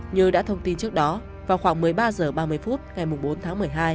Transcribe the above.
như đã thông tin trước đó vào khoảng một mươi ba h ba mươi phút ngày bốn tháng một mươi hai